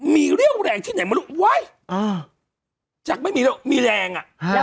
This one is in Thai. มีเรี่ยวแรงที่ไหนไม่รู้เว้ยจากไม่มีแรงอ่ะ